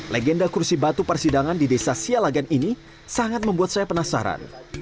legenda kursi batu persidangan di desa sialagan ini sangat membuat saya penasaran